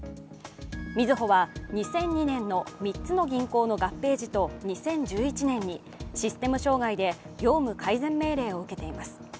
みずほは２００２年の３つの銀行の合併時と２０１１年にシステム障害で業務改善命令を受けています。